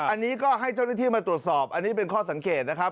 อันนี้ก็ให้เจ้าหน้าที่มาตรวจสอบอันนี้เป็นข้อสังเกตนะครับ